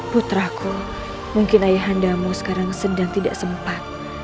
putraku mungkin ayahandamu sekarang sedang tidak sempat